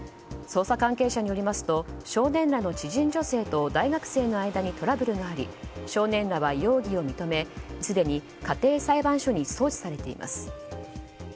捜査関係者によりますと少年らの知人女性と大学生の間にトラブルがあり少年らは容疑を認めすでに家庭裁判所に送致されています。